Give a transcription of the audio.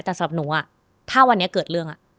แต่สำหรับหนูถ้าวันนี้เกิดเรื่อง